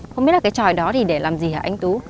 không biết là cái tròi đó thì để làm gì hà anh tú